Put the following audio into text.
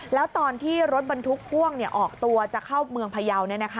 แล้วตอนที่รถบรรทุกพ่วงออกตัวจะเข้าเมืองพยาว